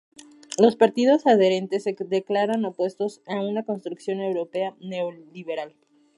Los partidos adherentes se declaran opuestos a una construcción europea neoliberal.